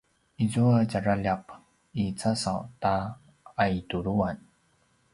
izua djaraljap i casaw ta aituluan